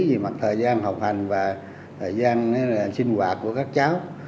về mặt thời gian học hành và thời gian sinh hoạt của các cháu